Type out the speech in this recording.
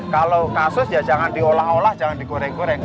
kalau kasus ya jangan diolah olah jangan digoreng goreng